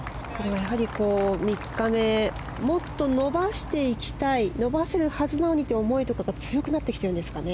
３日目もっと伸ばしていきたい伸ばせるはずなのにという思いとかが強くなってきているんですかね。